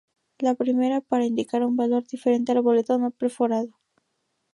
La primera para indicar un valor diferente al boleto no perforado.